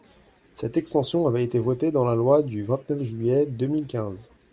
Cette extension avait été votée dans la loi du vingt-neuf juillet deux mille quinze.